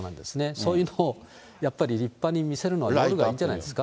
そういうのをやっぱり立派に見せるのはあるんじゃないですか。